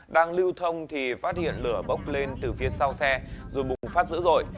đang lưu thông thì phát hiện lửa bốc lên từ phía sau xe rồi bùng phát dữ dội